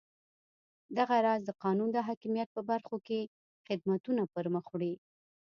دغه راز د قانون د حاکمیت په برخو کې خدمتونه پرمخ وړي.